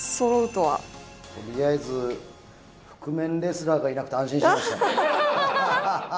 とりあえず、覆面レスラーがいなくて安心しました。